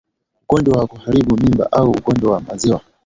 Ugonjwa wa kuharibu Mimba au Ugonjwa wa Maziwa